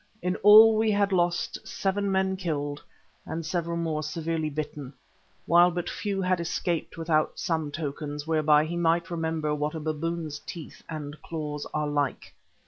In all we had lost seven men killed, and several more severely bitten, while but few had escaped without some tokens whereby he might remember what a baboon's teeth and claws are like.